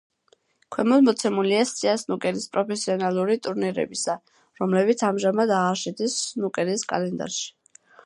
ქვემოთ მოცემულია სია სნუკერის პროფესიონალური ტურნირებისა, რომლებიც ამჟამად აღარ შედის სნუკერის კალენდარში.